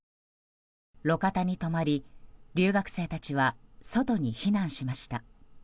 路肩に止まり、留学生たちは外に避難しました。